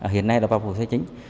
hiện nay là vào vù thu hoạch chính